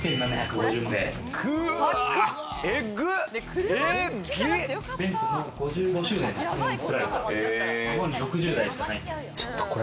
５５周年の記念に作られた、日本に６０台しかない。